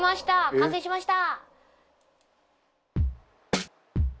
完成しました！